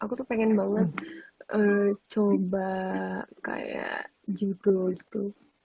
aku tuh pengen banget coba kayak judul gitu